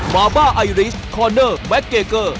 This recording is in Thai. มาบ้าอายริชคอร์เนอร์แมคเกเกอร์